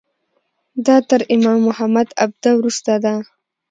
دا تر امام محمد عبده وروسته ده.